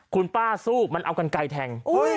คุณป้าสู้มันเอากันไกลแทง